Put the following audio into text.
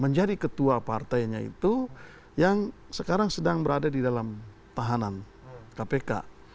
menjadi ketua partainya itu yang sekarang sedang berada di dalam tahanan kpk